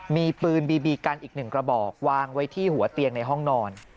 มีปืนบีบีกันอีก๑กระบอกวางไว้ที่หัวเตียงในห้องนอน